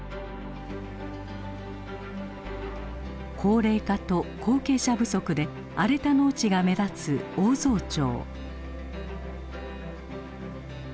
高齢化と後継者不足で荒れた農地が目立つ大沢町。